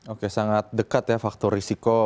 oke sangat dekat ya faktor risiko